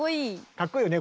かっこいいよね